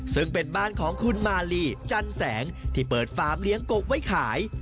ซึ่งเป็นบ้านของคุณมาลีจันแสงที่เปิดฟาร์มเลี้ยงกบไว้ขาย